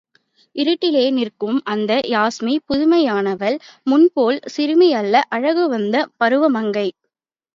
இருட்டிலே நிற்கும் அந்த யாஸ்மி, புதுமையானவள், முன்போல் சிறுமியல்ல, அழகுவந்த பருவமங்கை.